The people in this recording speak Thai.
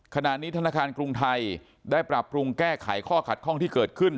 ขณะนี้ธนาคารกรุงไทยได้ปรับปรุงแก้ไขข้อขัดข้องที่เกิดขึ้น